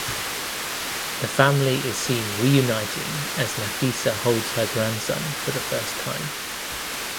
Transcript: The family is seen reuniting as Nafisa holds her grandson for the first time.